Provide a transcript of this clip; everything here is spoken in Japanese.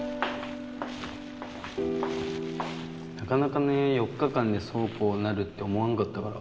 なかなかね４日間でそうこうなるって思わんかったから。